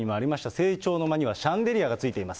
正庁の間にはシャンデリアがついています。